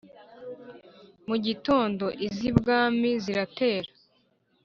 mu gitondo iz'ibwami ziratera,